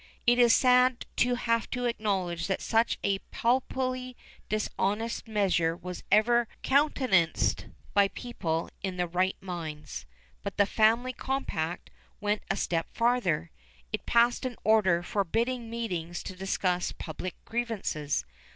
It is sad to have to acknowledge that such a palpably dishonest measure was ever countenanced by people in their right minds. But "the family compact" went a step farther. It passed an order forbidding meetings to discuss public grievances.